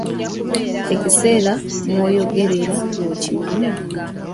Ekiseera mw’oyogerera okimanyi?